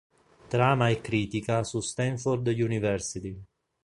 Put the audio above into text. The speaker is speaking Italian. Trama e critica su Stanford University